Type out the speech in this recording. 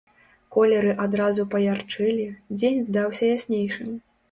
Колеры адразу паярчэлі, дзень здаўся яснейшым.